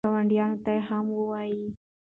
ګاونډیانو ته هم ووایئ.